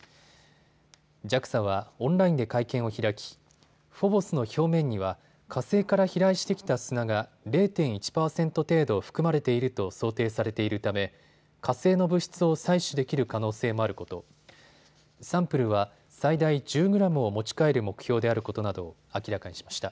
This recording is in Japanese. ＪＡＸＡはオンラインで会見を開き、フォボスの表面には火星から飛来してきた砂が０．１％程度含まれていると想定されているため火星の物質を採取できる可能性もあること、サンプルは最大１０グラムを持ち帰る目標であることなどを明らかにしました。